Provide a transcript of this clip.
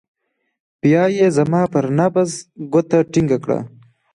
بيا يې زما پر نبض گوته ټينګه کړه.